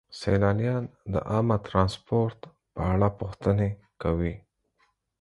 سیلانیان د عامه ترانسپورت په اړه پوښتنې کوي.